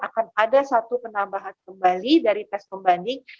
akan ada satu penambahan kembali dari tes pembanding